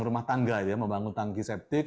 rumah tangga ya membangun tangki septik